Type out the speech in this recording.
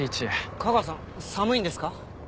架川さん寒いんですか？